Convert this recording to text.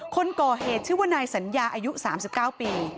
คนก่อเหตุชื่อว่านายสัญญาอายุ๓๙ปี